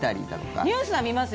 ニュースは見ますよ。